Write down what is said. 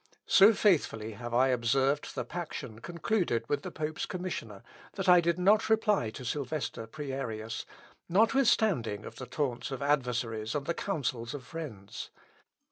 So faithfully have I observed the paction concluded with the pope's commissioner, that I did not reply to Sylvester Prierias, notwithstanding of the taunts of adversaries and the counsels of friends.